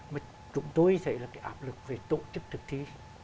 mà chúng tôi thấy là cái áp lực về tổ chức thực thi